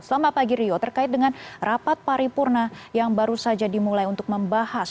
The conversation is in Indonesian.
selamat pagi rio terkait dengan rapat paripurna yang baru saja dimulai untuk membahas